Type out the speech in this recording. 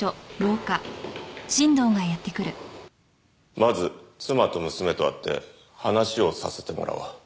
まず妻と娘と会って話をさせてもらおう。